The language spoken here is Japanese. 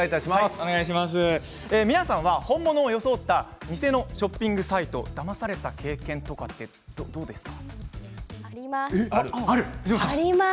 皆さんは本物を装った偽のショッピングサイトだまされた経験とかってどうですか？